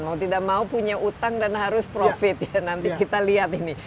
mau tidak mau punya utang dan harus profit ya nanti kita lihat ini